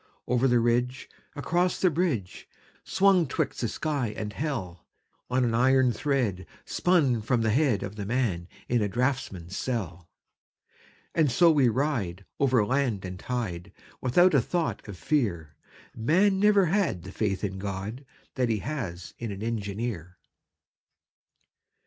Over the ridge, Across the bridge, Swung twixt the sky and hell, On an iron thread Spun from the head Of the man in a draughtsman's cell. And so we ride Over land and tide, Without a thought of fear _Man never had The faith in God That he has in an engineer!